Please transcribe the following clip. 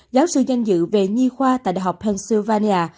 giáo sư danh dự về nhi khoa tại đại học hensilvania